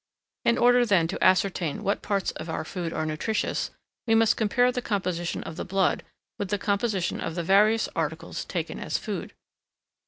In order then to ascertain what parts of our food are nutritious, we must compare the composition of the blood with the composition of the various articles taken as food.